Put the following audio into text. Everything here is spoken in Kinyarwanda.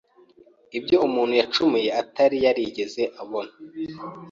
ibyo umuntu wacumuye atari yarigeze abona.